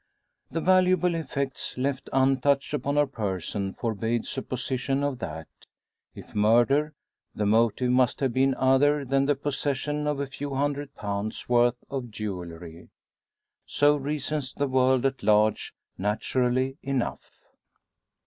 The valuable effects left untouched upon her person forbade supposition of that. If murder, the motive must have been other than the possession of a few hundred pounds' worth of jewellery. So reasons the world at large, naturally enough.